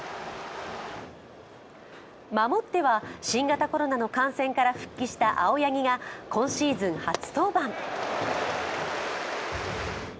守っては新型コロナの感染から復帰した青柳が今シーズン初登板。